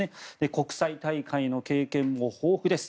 国際大会の経験も豊富です。